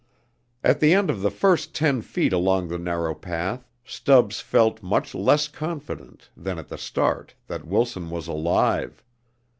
At the end of the first ten feet along the narrow path Stubbs felt much less confident than at the start that Wilson was alive.